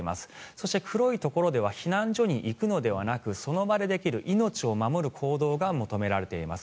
そして黒いところでは避難所に行くのではなくその場でできる命を守る行動が求められています。